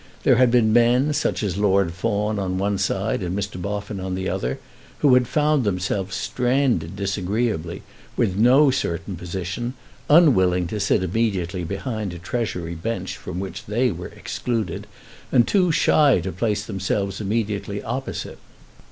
There had been men, such as Lord Fawn on one side and Mr. Boffin on the other, who had found themselves stranded disagreeably, with no certain position, unwilling to sit immediately behind a Treasury bench from which they were excluded, and too shy to place themselves immediately opposite.